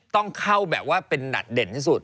ต้องเข้าแบบว่าเป็นดัดเด่นที่สุด